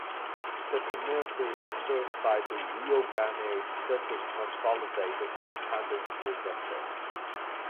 The community is served by the Rio Grande City Consolidated Independent School District.